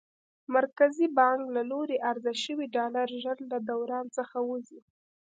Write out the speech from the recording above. مرکزي بانک له لوري عرضه شوي ډالر ژر له دوران څخه وځي.